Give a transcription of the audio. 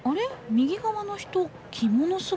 右側の人着物姿だ。